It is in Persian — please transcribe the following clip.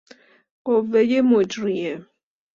قوهُ مجریه